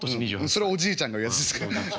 それはおじいちゃんが言うやつですから。